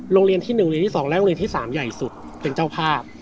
โรงเรียนที่๑เรียนที่๒และโรงเรียนที่๓ใหญ่สุดเป็นเจ้าภาพ